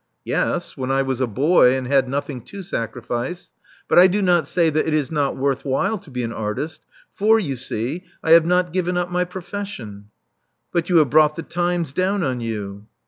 '* "Yes, when I was a boy, and had nothing to sacrifice. But I do not say that it is not worth while to be an artist; for, you see, I have not given |up my profession." "But you have brought the Times down on you."